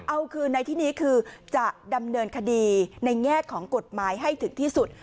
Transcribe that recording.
เอาคืนในที่นี้คือจะดำเนินคดีในแง่ของกฎหมายให้ถึงที่สุด